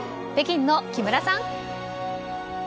北京の木村さん！